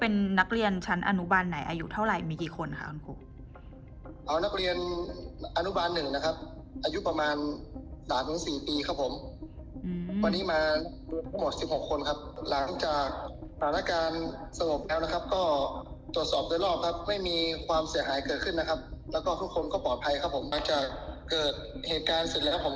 นะครับแล้วก็ทุกคนก็ปลอดภัยครับผมมักจะเกิดเหตุการณ์สุดเลยครับผม